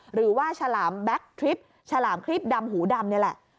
หรือว่าชาหลามแบคทริปชาหลามคลีบดำหูดำนี่แหละ